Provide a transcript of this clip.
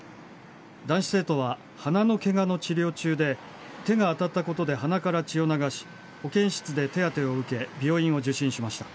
男子生徒は鼻のケガの治療中で手が当たったことで鼻から血を流し保健室で手当を受け病院を受診しました。